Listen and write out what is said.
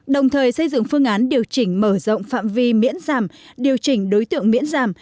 đồng thời xây dựng phương án điều chỉnh mở rộng phạm vi miễn giảm điều chỉnh đối tượng miễn giảm